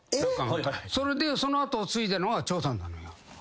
それでその後を継いだのが長さんなのよ。